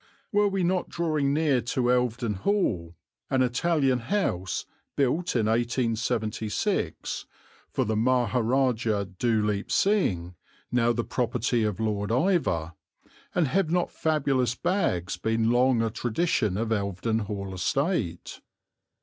Were we not drawing near to Elvedon Hall an Italian house built in 1876 for the Maharajah Dhuleep Singh, now the property of Lord Iveagh and have not fabulous "bags" been long a tradition of Elvedon Hall estate?